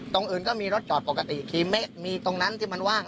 ตรงอื่นก็มีรถจอดปกติคือไม่มีตรงนั้นที่มันว่าง